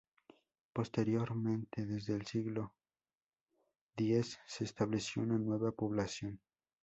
Posteriormente, desde el siglo X se estableció una nueva población.